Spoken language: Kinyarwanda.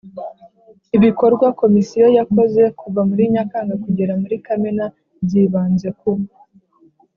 Ibikorwa Komisiyo yakoze kuva muri Nyakanga kugera muri Kamena byibanze ku